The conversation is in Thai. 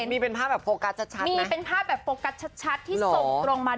มีเป็นภาพแบบโปรกัสชัดชัดมั้ยมีเป็นภาพแบบโปรกัสชัดชัดที่ส่งตรงมา